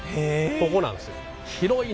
ここなんですよ。